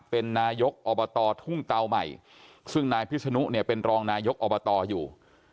เป็นนายกอบตทุ่งเตาใหม่ซึ่งนายพิศนุเนี่ยเป็นรองนายกอบตอยู่